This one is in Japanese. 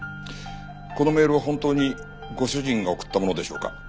このメールは本当にご主人が送ったものでしょうか？